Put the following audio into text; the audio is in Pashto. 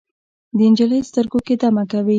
د نجلۍ سترګو کې دمه کوي